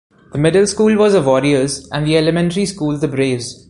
The middle school was the 'Warriors' and the elementary school, the 'Braves'.